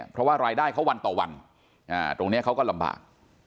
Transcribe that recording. เพราะว่ารายได้เขาวันต่อวันตรงนี้เขาก็ลำบาก